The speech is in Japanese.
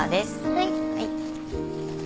はい。